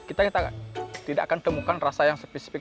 kita tidak akan temukan rasa yang spesifik